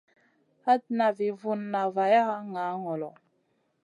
Hatna vi vunna vaya ŋaa ŋolo.